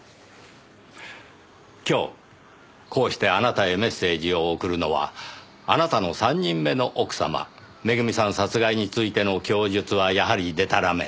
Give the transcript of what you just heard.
今日こうしてあなたへメッセージを送るのはあなたの３人目の奥様めぐみさん殺害についての供述はやはりでたらめ。